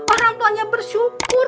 orang tuanya bersyukur